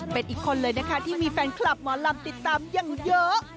เป็นอีกคนเลยนะคะที่มีแฟนคลับหมอลำติดตามอย่างเยอะ